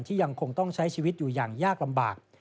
ยังคงต้องใช้ชีวิตอยู่อย่างยากลำบาก